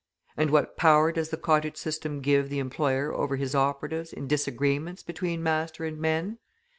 And what power does the cottage system give the employer over his operatives in disagreements between master and men?